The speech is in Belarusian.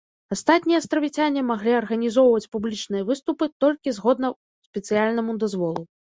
Астатнія астравіцяне маглі арганізоўваць публічныя выступы толькі згодна спецыяльнаму дазволу.